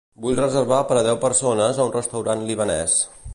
Vull reservar per a deu persones a un restaurant libanès.